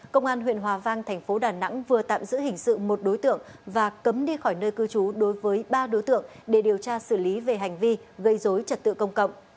công an huyện hòa vang thành phố đà nẵng vừa tạm giữ hình sự một đối tượng và cấm đi khỏi nơi cư trú đối với ba đối tượng để điều tra xử lý về hành vi gây dối trật tự công cộng